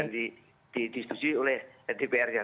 dan di distusi oleh dprd nya